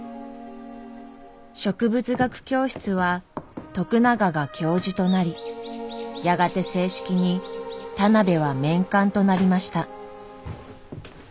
植物学教室は徳永が教授となりやがて正式に田邊は免官となりました。